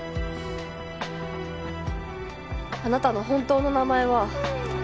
あなたの本当の名前は。